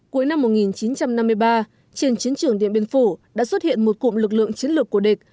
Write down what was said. cuối năm một nghìn chín trăm năm mươi ba trên chiến trường điện biên phủ đã xuất hiện một cụm lực lượng chiến lược của địch